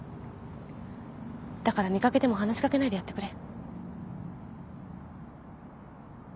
だから見掛けても話し掛けないでやってくれ。